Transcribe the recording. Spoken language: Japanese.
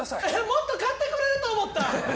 もっと買ってくれると思った。